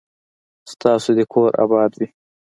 ستاسو دي کور اباد وي